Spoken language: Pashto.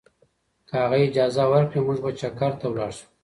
که هغه اجازه ورکړي، موږ به چکر ته لاړ شو.